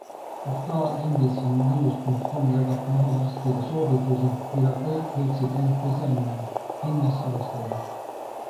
Portaal nbcnews.com jagab nahaarstide soovitusi, mida kõik võiksid end pesema minnes arvestada.